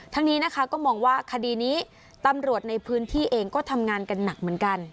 นี้นะคะก็มองว่าคดีนี้ตำรวจในพื้นที่เองก็ทำงานกันหนักเหมือนกัน